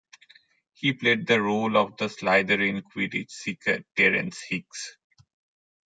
He played the role of the Slytherin Quidditch Seeker Terence Higgs.